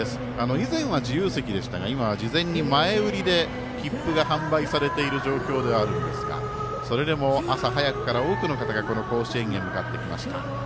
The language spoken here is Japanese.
以前は自由席でしたが今は事前に前売りで切符が販売されている状況ではあるんですがそれでも、朝早くから多くの方が、この甲子園に向かってきました。